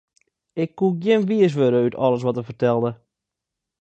Ik koe gjin wiis wurde út alles wat er fertelde.